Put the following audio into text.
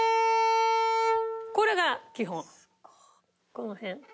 この辺。